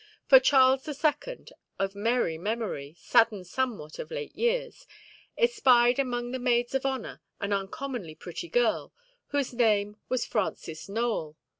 For Charles the Second, of merry memory (saddened somewhat of late years), espied among the maids of honour an uncommonly pretty girl, whose name was Frances Nowell.